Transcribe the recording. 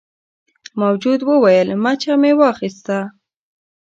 موجود وویل مچه مې واخیسته.